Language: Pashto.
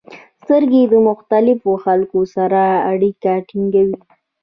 • سترګې د مختلفو خلکو سره اړیکه ټینګوي.